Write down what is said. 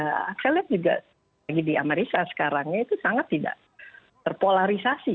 saya lihat juga lagi di amerika sekarangnya itu sangat tidak terpolarisasi